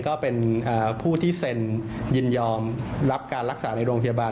ก็เป็นผู้ที่เซ็นยินยอมรับการรักษาในโรงพยาบาล